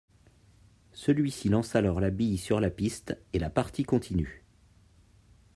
Celui-ci lance alors la bille sur la piste et la partie continue.